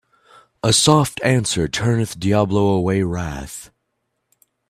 A soft answer turneth diabo away wrath